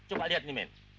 coba lihat nih men